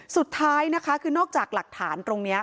สุดท้ายนะคะคือนอกจากหลักฐานตรงนี้